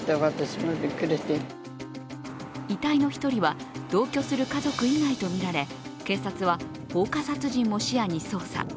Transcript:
遺体の１人は同居する家族以外とみられ警察は放火殺人も視野に捜査。